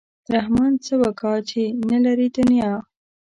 رحمان څه وکا چې نه لري دنیا.